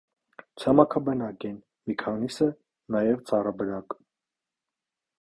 Ցամաքաբնակ են, մի քանիսը՝ նաև ծառաբնակ։